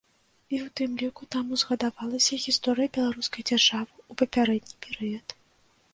І ў тым ліку там узгадавалася гісторыя беларускай дзяржавы ў папярэдні перыяд.